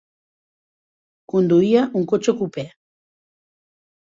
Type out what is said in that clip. Conduïa un cotxe cupè.